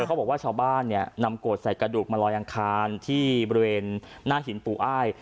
เขาบอกว่าชาวบ้านเนี่ยนำโกรธใส่กระดูกมาลอยอังคารที่บริเวณหน้าหินปู่อ้าย